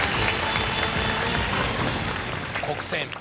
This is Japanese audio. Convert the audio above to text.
黒閃。